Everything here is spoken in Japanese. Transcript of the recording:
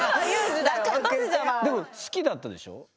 でも好きだったでしょ？